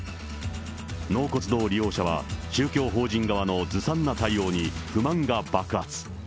納骨堂利用者は、宗教法人側のずさんな対応に不満が爆発。